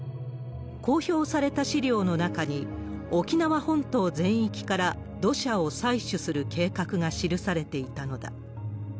公表された資料の中に、沖縄本島全域から土砂を採取する計画が記されていたのだ。